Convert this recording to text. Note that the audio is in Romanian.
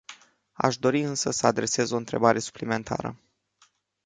Aș dori însă să adresez o întrebare suplimentară.